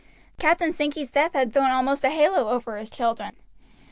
Captain Sankey's death had thrown almost a halo over his children.